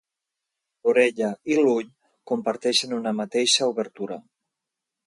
L'orella i l'ull comparteixen una mateixa obertura.